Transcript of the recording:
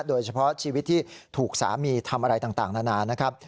โดยเฉพาะชีวิตที่ถูกสามีทำอะไรต่างนานานะครับ